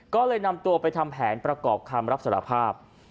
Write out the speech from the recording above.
ก็เลยนำตัวไปทำแผนประกอบคำรับสารภาพ